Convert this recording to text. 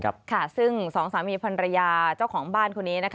ค่ะซึ่งสองสามีพันรยาเจ้าของบ้านคนนี้นะคะ